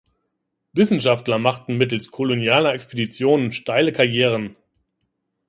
Wissenschaftler machten mittels kolonialer Expeditionen steile Karrieren.